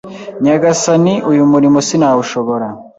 Nyagasani uyu murimo sinawushobora